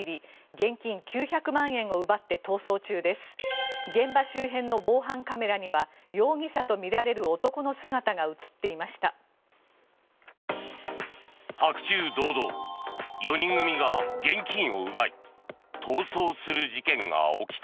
現場周辺の防犯カメラには容疑者とみられる男の姿が映っていました。